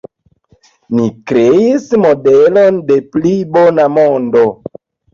Ni kreis modelon de pli bona mondo.